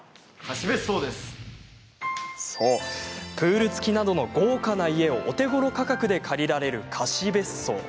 プール付きなどの豪華な家をお手ごろ価格で借りられる貸し別荘。